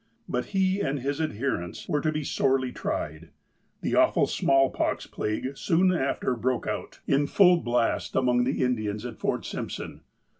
But he and his adherents were to be sorely tried. The awful smallpox plague soon after broke out, in full 156 THE APOSTLE OF ALASKA blast, among the Indians at Fort Simpson.